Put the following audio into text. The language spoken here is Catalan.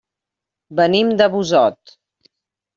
Venim de Busot.